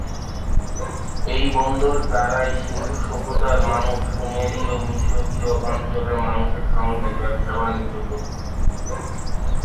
এই বন্দর দ্বারাই সিন্ধু সভ্যতার মানুষ সুমেরীয়, মিশরীয় অঞ্চলের মানুষের সঙ্গে ব্যবসা বাণিজ্য করত।